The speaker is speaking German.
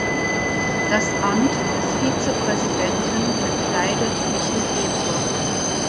Das Amt des Vizepräsidenten bekleidet Michl Ebner.